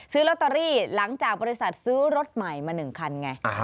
ซื้อลอตเตอรี่หลังจากบริษัทซื้อรถใหม่มา๑คันไง